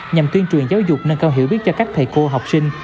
nhằm tuyên truyền giáo dục nâng cao hiểu biết cho các thầy cô học sinh